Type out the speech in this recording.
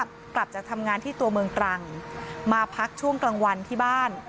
กลับจากทำงานที่ตัวเมืองตรังมาพักช่วงกลางวันที่บ้าน